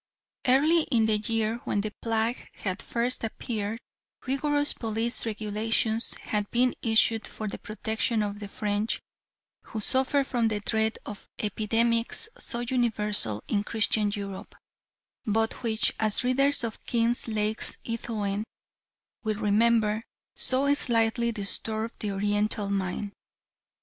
Early in the year when the plague had first appeared rigorous police regulations had been issued for the protection of the French, who suffered from the dread of epidemics so universal in Christian Europe, but which, as readers of Kinglake's "Eothen" will remember, so slightly disturb the Oriental mind.